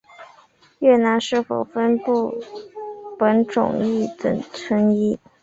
越南是否分布本种亦仍存疑。